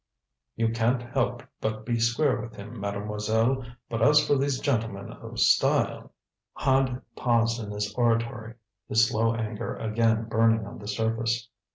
"You can't help but be square with him, Mademoiselle. But as for these gentlemen of style " Hand paused in his oratory, his slow anger again burning on the surface.